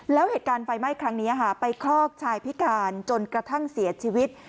แล้วเหตุการณ์ไฟไหม้ครั้งนี้ไปคลอกชายพิการจนกระทั่งเสียชีวิต